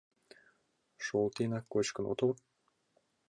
Шолтенак кочкын отыл?